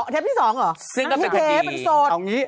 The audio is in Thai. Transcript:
เทสที่สองหรอ